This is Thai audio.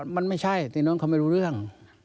มันไม่ใช่แต่น้องเขาไม่รู้เรื่อง